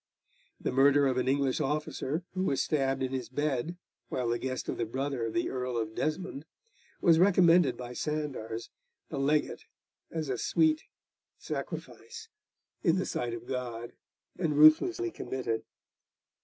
The murder of an English officer, who was stabbed in his bed while the guest of the brother of the Earl of Desmond, was recommended by Sandars the legate as a sweet sacrifice in the sight of God, and ruthlessly committed.